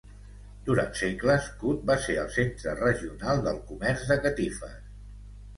Durant segles, Kut va ser el centre regional del comerç de catifes.